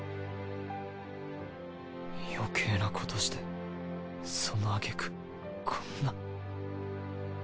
余計なことしてそのあげくこんな。